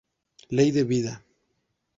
Ley de vida.